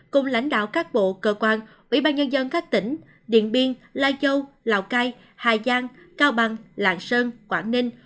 cùng lãnh đạo các bộ cơ quan ủy ban nhân dân các tỉnh điện biên lai châu lào cai hà giang cao bằng lạng sơn quảng ninh